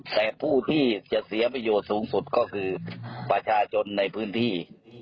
แต่ผู้ที่จะเสียประโยชน์สูงสุดก็คือประชาชนในพื้นที่